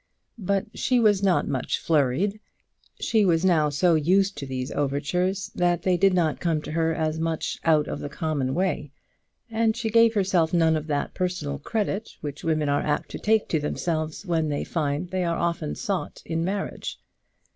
But she was not much flurried. She was now so used to these overtures that they did not come to her as much out of the common way. And she gave herself none of that personal credit which women are apt to take to themselves when they find they are often sought in marriage.